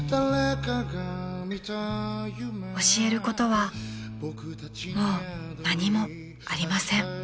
［教えることはもう何もありません］